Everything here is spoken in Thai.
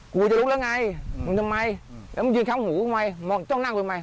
ผมจะลุกแล้วไงทำไมมันยืนข้างหูผมไ่ต้องนั่งปังไหม